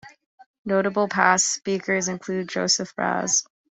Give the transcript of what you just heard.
Notable past speakers include Joseph Raz.